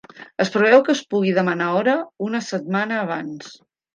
Es preveu que es pugui demanar hora una setmana abans.